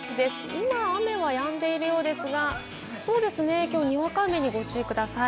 今、雨はやんでいるようですが、きょうはにわか雨にご注意ください。